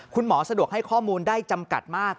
คุณหมอสะดวกให้ข้อมูลได้จำกัดมาก